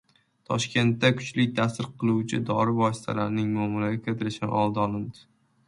Toshkentda kuchli ta’sir qiluvchi dori vositalarining muomalaga kiritilishini oldi olindi